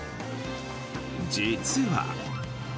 実は。